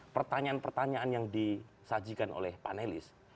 pertanyaan pertanyaan yang disajikan oleh panelis